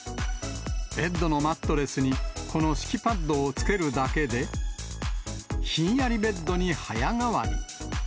ベッドのマットレスに、この敷きパッドをつけるだけで、ひんやりベッドに早変わり。